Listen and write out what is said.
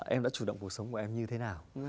em đã chủ động cuộc sống của em như thế nào